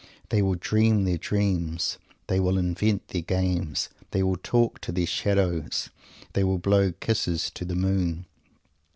They will dream their dreams. They will invent their games. They will talk to their shadows. They will blow kisses to the Moon.